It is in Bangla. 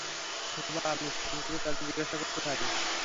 অথবা আপনি ফোন করে তাদের জিজ্ঞাসা করতে পারেন।